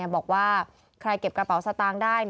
บอกว่าใครเก็บกระเป๋าสตางค์ได้